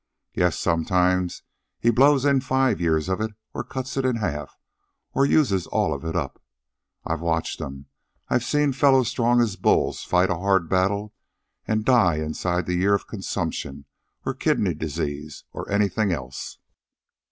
Yes, sometimes he blows in five years of it, or cuts it in half, or uses up all of it. I've watched 'em. I've seen fellows strong as bulls fight a hard battle and die inside the year of consumption, or kidney disease, or anything else.